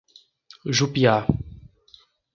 Jupiá